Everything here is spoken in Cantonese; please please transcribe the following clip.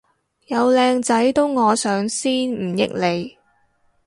有靚仔都我上先唔益你